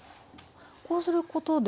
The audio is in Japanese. こうすることで？